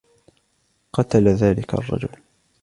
قتل ذلك الرجل.